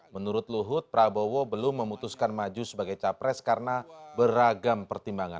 menurut luhut prabowo belum memutuskan maju sebagai capres karena beragam pertimbangan